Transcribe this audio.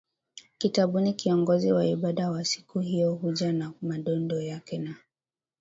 kitabuni kiongozi wa ibada wa siku hiyo huja na madondoo yake na